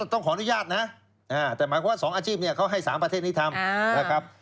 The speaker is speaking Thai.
ต้องขออนุญาตนะแต่หมายความว่า๒อาชีพเขาให้๓ประเทศนี้ทำนะครับ